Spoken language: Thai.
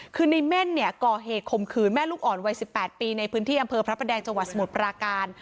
คือในเม่นเนี่ยก่อเหตุข่มขืนแม่ลูกอ่อนวัย๑๘ปีในพื้นที่อำเภอพระประแดงจังหวัดสมุทรปราการ